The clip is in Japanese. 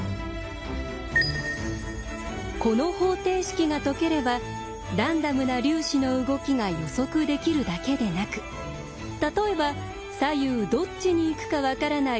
この方程式が解ければランダムな粒子の動きが予測できるだけでなく例えば左右どっちに行くか分からない